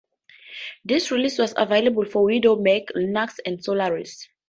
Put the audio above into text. This release was available for Windows, Mac, Linux, and Solaris.